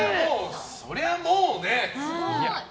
そりゃもうね。